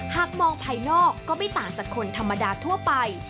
หากมองภายนอกก็ไม่ต่างจากคนธรรมดาทั่วไป